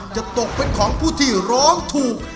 จะตกเป็นของผู้ที่ร้องถูก